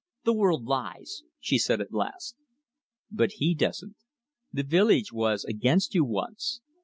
"The world lies!" she said at last. "But he doesn't. The village was against you once.